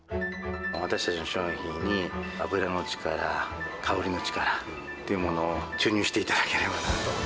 私たちの商品に油の力、香りの力をっていうものを注入していただければなと。